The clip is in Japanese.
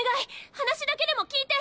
話だけでも聞いて！